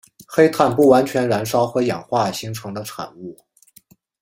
黑碳不完全燃烧和氧化形成的产物。